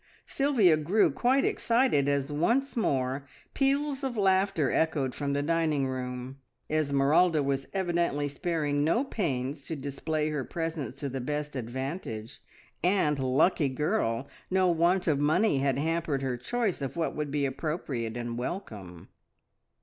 Sylvia grew quite excited as once more peals of laughter echoed from the dining room. Esmeralda was evidently sparing no pains to display her presents to the best advantage, and, lucky girl, no want of money had hampered her choice of what would be appropriate and welcome.